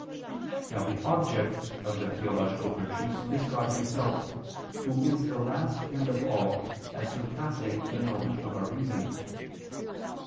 Now the object of the theological virtues is God Himself, Who is the last end of all, as surpassing the knowledge of our reason.